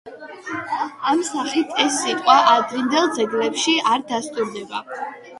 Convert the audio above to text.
ამ სახით ეს სიტყვა ადრინდელ ძეგლებში არ დასტურდება.